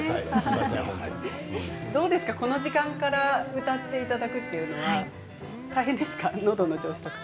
どうですか、この時間から歌っていただくというのは大変ですか、のどの調子とか。